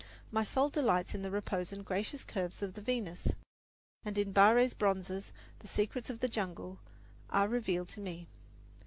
My soul delights in the repose and gracious curves of the Venus; and in Barre's bronzes the secrets of the jungle are revealed to me.